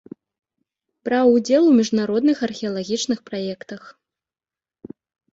Браў удзел у міжнародных археалагічных праектах.